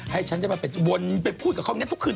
ให้ฉันได้มาไปวนไปพูดกับเขาอย่างนี้ทุกคืน